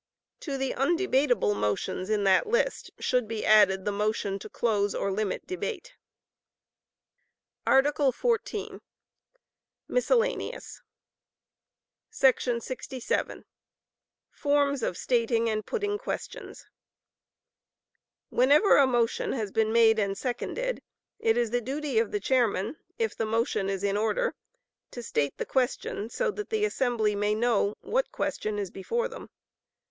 To the undebatable motions in that list, should be added the motion to close or limit debate.] Art. XIV. Miscellaneous. 67. Forms of Stating and Putting Questions. Whenever a motion has been made and seconded, it is the duty of the chairman, if the motion is in order, to state the question so that the assembly may know what question is before them.